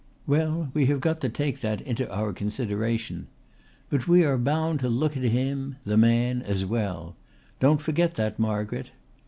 Well, we have got to take that into our consideration. But we are bound to look at him, the man, as well. Don't forget that, Margaret!